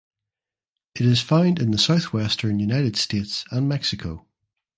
It is found in the southwestern United States and Mexico.